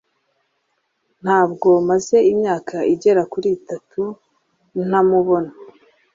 Ntabwo maze imyaka igera kuri itatu ntamubona.